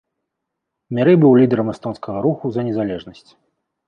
Меры быў лідарам эстонскага руху за незалежнасць.